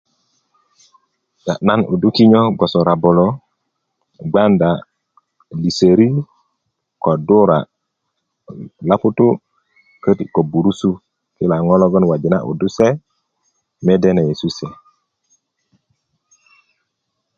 nan 'yudu kinyo gboso rabolo gbanda liserit ko dura loputu köti ko burusut ki lo ŋo liŋ logon wandi nan nyunyudu se mede na yesu se